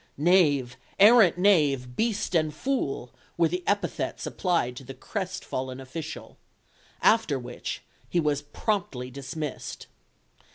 "Knave, arrant knave, beast and fool," were the epithets applied to the crestfallen official. After which, he was promptly dismissed.